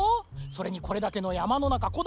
それにこれだけのやまのなかこ